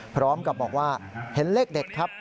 พร้อมกับบอกว่าเห็นเลขเด็ดครับ